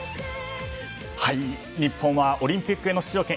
日本はオリンピックへの出場権